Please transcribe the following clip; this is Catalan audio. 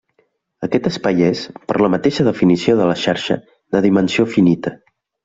Aquest espai és, per la mateixa definició de la xarxa, de dimensió finita.